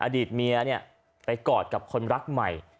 อดีตเมียเนี่ยไปกอดกับคนรักใหม่